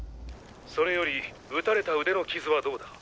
それより撃たれた腕の傷はどうだ？